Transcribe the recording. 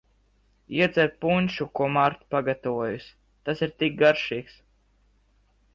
Iedzer punšu, ko Marta pagatavojusi, tas ir tik garšīgs.